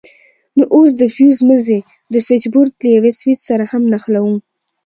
نو اوس د فيوز مزي د سوېچبورډ له يوه سوېچ سره هم نښلوو.